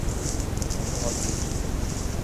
ہم بہت دیکھ چکے۔